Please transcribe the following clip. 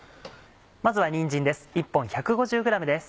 まずはにんじんです